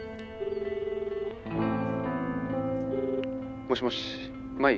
もしもし舞？